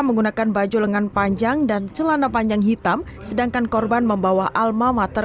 menggunakan baju lengan panjang dan celana panjang hitam sedangkan korban membawa alma mater